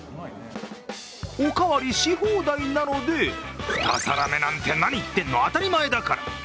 おかわりし放題なので、２皿なんて何言ってるの、当たり前だから！